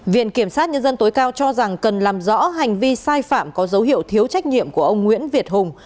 viện kiểm sát nhân dân tối cao cho rằng cần làm rõ hành vi sai phạm có dấu hiệu thiếu trách nhiệm của ông nguyễn việt hùng